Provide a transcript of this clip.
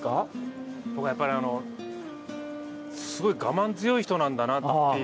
僕はやっぱりすごい我慢強い人なんだなっていう。